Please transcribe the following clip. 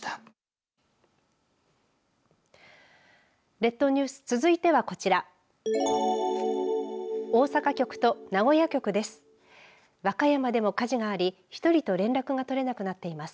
列島ニュース続いてはこちら大阪局と名古屋局です。